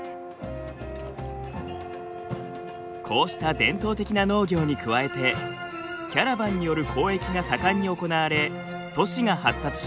こうした伝統的な農業に加えてキャラバンによる交易が盛んに行われ都市が発達しました。